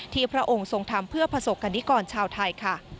พระองค์ทรงทำเพื่อประสบกรณิกรชาวไทยค่ะ